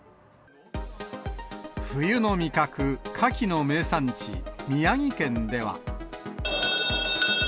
冬の味覚、カキの名産地、宮城県では。